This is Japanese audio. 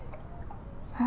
あ。